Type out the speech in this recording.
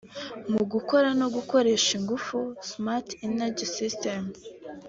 mu gukora no gukoresha ingufu (smart energy systems)